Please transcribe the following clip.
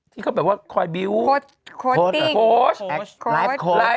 ที่เขาแบบว่าคอยบิ้วโคติกไลฟ์โคติ